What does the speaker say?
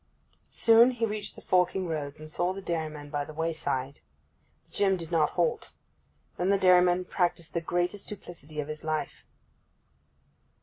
Soon he reached the forking roads, and saw the dairyman by the wayside. But Jim did not halt. Then the dairyman practised the greatest duplicity of his life.